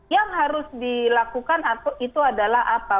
yang harus dilakukan itu adalah apa